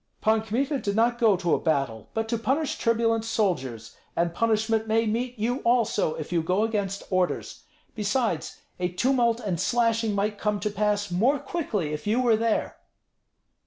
"Pan Kmita did not go to a battle, but to punish turbulent soldiers, and punishment may meet you also if you go against orders. Besides, a tumult and slashing might come to pass more quickly if you were there."